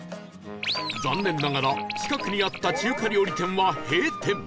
残念ながら近くにあった中華料理店は閉店